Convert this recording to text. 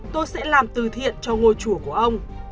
tôi sẽ làm từ thiện cho ngôi chùa của ông